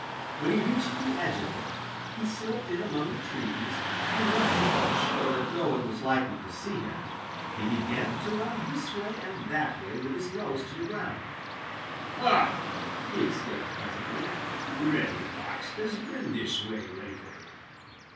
When he reached the edge of it, he slipped in among the trees, and when he felt sure that no one was likely to see him, he began to run this way and that way with his nose to the ground. "Ha!" he exclaimed presently, "Reddy Fox has been this way lately."